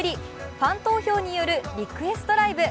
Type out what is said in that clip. ファン投票によるリクエストライブ。